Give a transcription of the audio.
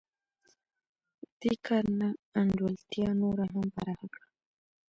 دې کار نا انډولتیا نوره هم پراخه کړه